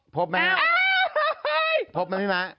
พบมั้ยพี่ม้า